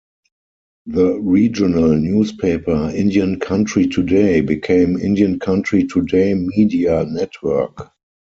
The regional newspaper "Indian Country Today" became "Indian Country Today Media Network".